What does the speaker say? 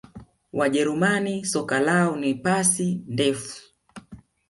wajerumani soka lao ni pasi ndefu